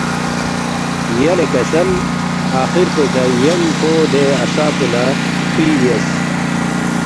“ یلے کسل آخر پیکھہ ینگ کھو دے عصا پو لہ فُوی بیاس